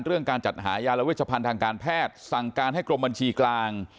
การจัดหายาและเวชพันธ์ทางการแพทย์สั่งการให้กรมบัญชีกลาง